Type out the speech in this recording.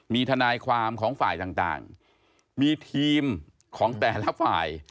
มีทนายความของฝ่ายต่างมีทีมของแต่ละฝ่าย